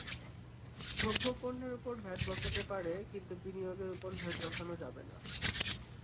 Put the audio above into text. ভোগ্যপণ্যের ওপর ভ্যাট বসতে পারে, কিন্তু বিনিয়োগের ওপর ভ্যাট বসানো যাবে না।